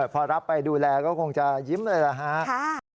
พอรับไปดูแลก็คงจะยิ้มเลยแหละฮะ